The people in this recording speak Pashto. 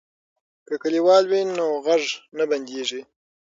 که کلیوال وي نو غږ نه بندیږي.